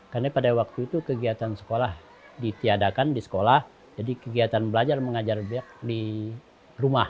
karena pada waktu itu kegiatan sekolah ditiadakan di sekolah jadi kegiatan belajar mengajar di rumah